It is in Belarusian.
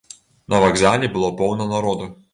На вакзале было поўна народу.